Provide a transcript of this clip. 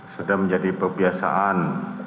sudah menjadi kebiasaan